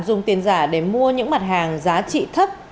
dùng tiền giả để mua những mặt hàng giá trị thấp